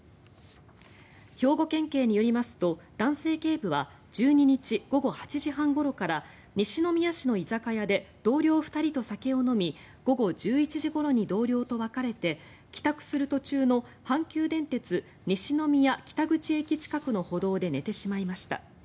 兵庫県警によりますと男性警部は１２日午後８時半ごろから西宮市の居酒屋で同僚２人と酒を飲み午後１１時ごろに同僚と別れて帰宅する途中の阪急電鉄西宮北口駅近くの歩道で寝てしまいました。